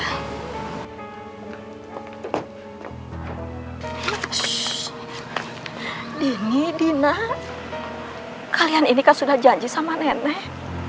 lini dina kalian ini kan sudah janji sama nenek